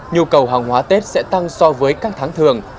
nhu cầu hàng hóa tết sẽ tăng so với các tháng thường